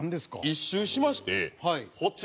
一周しましてこちら。